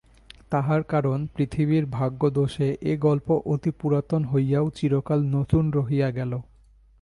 তাহার কারণ পৃথিবীর ভাগ্যদোষে এ গল্প অতিপুরাতন হইয়াও চিরকাল নূতন রহিয়া গেল।